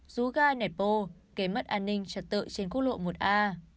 dù ca netpo kế mất an ninh trật tự trên quốc lộ một a